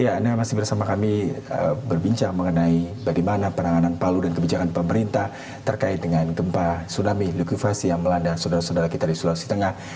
ya anda masih bersama kami berbincang mengenai bagaimana penanganan palu dan kebijakan pemerintah terkait dengan gempa tsunami likuifasi yang melanda saudara saudara kita di sulawesi tengah